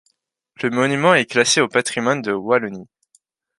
Le monument est classé au patrimoine de Wallonie.